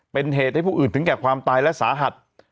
เป็นเหตุให้ผู้อื่นถึงแก่ความตายและสาหัส